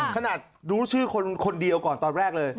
ขนาดรู้ชื่อคนเดียวก่อนตอนแรกเลย